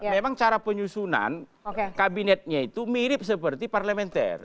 memang cara penyusunan kabinetnya itu mirip seperti parlementer